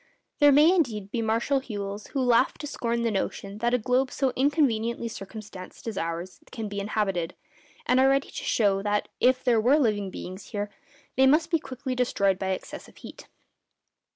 There may, indeed, be Martial Whewells who laugh to scorn the notion that a globe so inconveniently circumstanced as ours can be inhabited, and are ready to show that, if there were living beings here, they must be quickly destroyed by excessive heat.